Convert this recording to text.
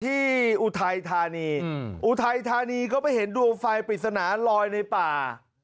อุทัยธานีอุทัยธานีก็ไปเห็นดวงไฟปริศนาลอยในป่า